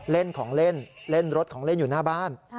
เล่นของเล่นเล่นรถของเล่นอยู่หน้าบ้าน